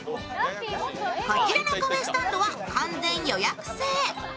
こちらのカフェスタンドは完全予約制。